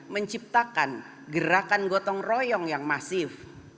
menciptakan gerakan gotong royong yang masif